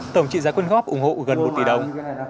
tổng trị giá quyên góp ủng hộ gần một tỷ đồng